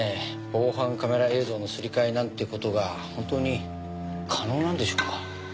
防犯カメラ映像のすり替えなんて事が本当に可能なんでしょうか？